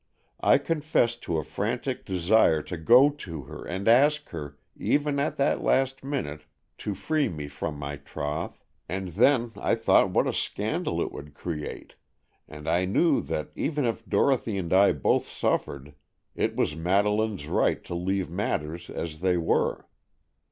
I confess to a frantic desire to go to her and ask her, even at that last minute, to free me from my troth, and then I thought what a scandal it would create, and I knew that even if Dorothy and I both suffered, it was Madeleine's right to leave matters as they were.